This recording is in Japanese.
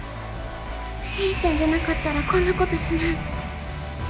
玲ちゃんじゃなかったらこんなことしない。